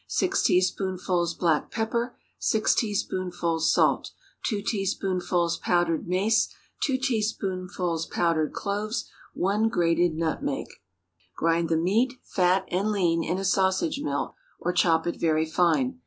6 teaspoonfuls black pepper. 6 teaspoonfuls salt. 2 teaspoonfuls powdered mace. 2 teaspoonfuls powdered cloves. 1 grated nutmeg. Grind the meat, fat and lean, in a sausage mill, or chop it very fine.